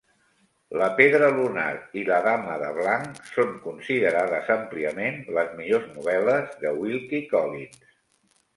"La pedra lunar" i "La dama de blanc" són considerades àmpliament les millors novel·les de Wilkie Collins.